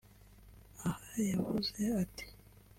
Aha yavuze ati